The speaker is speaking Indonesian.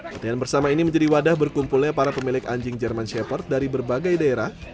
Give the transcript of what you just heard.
latihan bersama ini menjadi wadah berkumpulnya para pemilik anjing german shepherd dari berbagai daerah